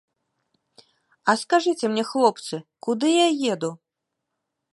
А скажыце мне, хлопцы, куды я еду?